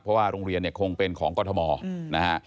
เพราะว่าโรงเรียนเนี่ยคงเป็นของกรทมนะฮะ